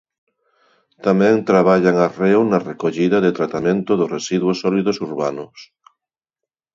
Tamén traballan arreo na recollida e tratamento dos residuos sólidos urbanos.